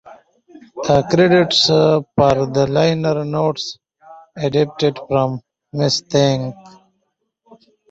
Credits for the liner notes adapted from "Miss Thang".